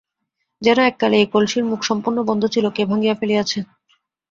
যেন এককালে এই কলসির মুখ সম্পূর্ণ বন্ধ ছিল, কে ভাঙিয়া ফেলিয়াছে।